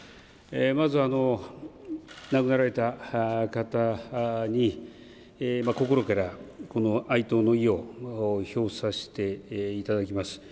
まずは亡くなられた方に心から、この哀悼の意をひょうさせていただきます。